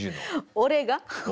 俺が？